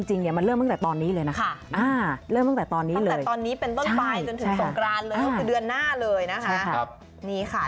จริงมันเริ่มตั้งแต่ตอนนี้เลยนะคะตั้งแต่ตอนนี้เป็นต้นปลายจนถึงสงครานเลยต้องคือเดือนหน้าเลยนะคะ